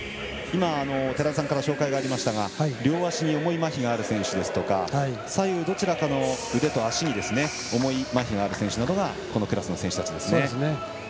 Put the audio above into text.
寺田さんから紹介がありましたが、両足に重いまひがある選手ですとか左右、どちらかの腕か足に重いまひがある選手がこのクラスの選手ですね。